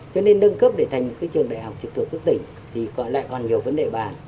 cho nên nâng cấp để thành một trường đại học trực thuộc cấp tỉnh thì lại còn nhiều vấn đề bàn